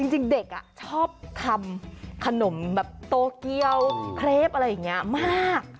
จริงเด็กชอบทำขนมแบบโตเกียวเครปอะไรอย่างนี้มาก